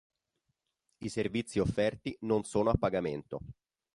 I servizi offerti non sono a pagamento.